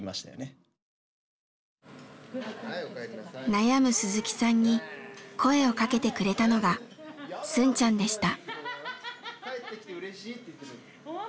悩む鈴木さんに声を掛けてくれたのがスンちゃんでした。